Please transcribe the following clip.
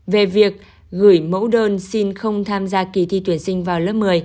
về việc gửi mẫu đơn xin không tham gia kỳ thi tuyển sinh vào lớp một mươi